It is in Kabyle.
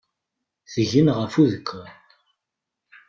Tgen ɣef udekkan.